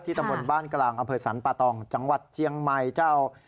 ตำบลบ้านกลางอำเภอสรรปะตองจังหวัดเจียงใหม่เจ้า